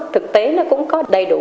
thực tế là cũng có đầy đủ